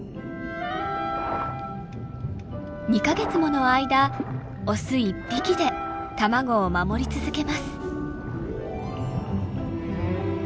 ２か月もの間オス一匹で卵を守り続けます。